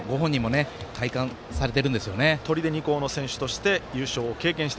ご本人も体感されてるんですよね。